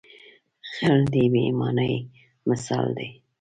غل د بې ایمانۍ مثال دی